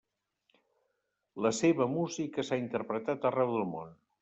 La seva música s'ha interpretat arreu del món.